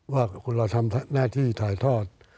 ว่าคนเราทำหน้าที่ถ่ายทอด